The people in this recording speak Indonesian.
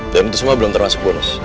dan itu semua belum termasuk bonus